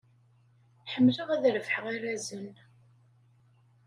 Ḥemmleɣ ad d-rebḥeɣ arrazen.